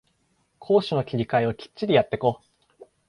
攻守の切り替えをきっちりやってこ